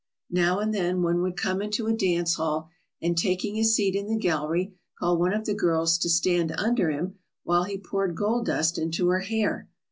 Now and then one would come into a dance hall, and taking his seat in the gallery, call one of the girls to stand under him while he poured gold dust into her hair.